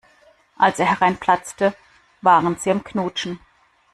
Als er hereinplatzte, waren sie am Knutschen.